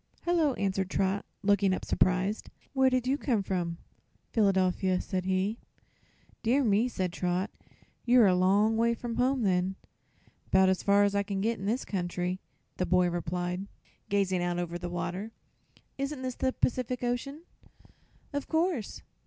"Hello," answered Trot, looking up surprised. "Where did you come from?" "Philadelphia," said he. "Dear me," said Trot; "you're a long way from home, then." "'Bout as far as I can get, in this country," the boy replied, gazing out over the water. "Isn't this the Pacific Ocean?" "Of course."